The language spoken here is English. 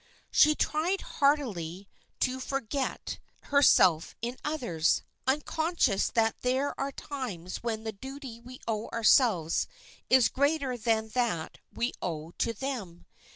She tried heartily to forget herself in others, unconscious that there are times when the duty we owe ourselves is greater than that we owe to them.